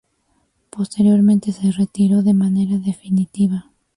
Posteriormente se retiró de manera definitiva.